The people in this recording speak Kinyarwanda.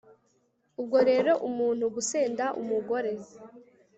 ubwo rero umuntu gusenda umugore